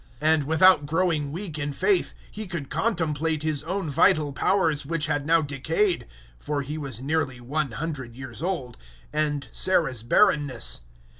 004:019 And, without growing weak in faith, he could contemplate his own vital powers which had now decayed for he was nearly 100 years old and Sarah's barrenness.